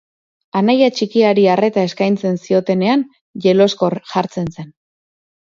Anaia txikiari arreta eskaintzen ziotenean jeloskor Jartzen zen.